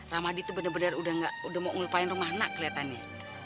rahmadi tuh bener bener udah mau ngelupain rumah anak kelihatannya